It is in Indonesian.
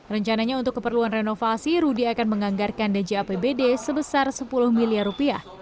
rencananya untuk keperluan renovasi rudy akan menganggarkan dj apbd sebesar sepuluh miliar rupiah